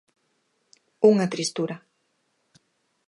Unha tristura.